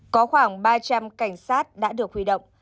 có khoảng ba trăm linh cảnh sát đã được huy động